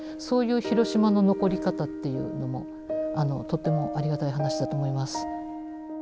そういう広島の残り方っていうのもとってもありがたい話だと思います。